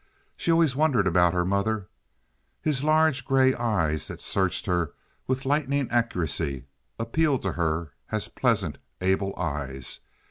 She always wondered about her mother. His large gray eyes, that searched her with lightning accuracy, appealed to her as pleasant, able eyes.